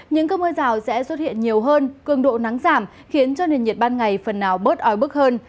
những cơn mưa rào sẽ xuất hiện nhiều hơn cường độ nắng giảm khiến cho nền nhiệt ban ngày phần nào bớt ói bức hơn